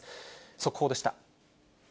速報でした。